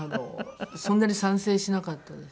そんなに賛成しなかったです。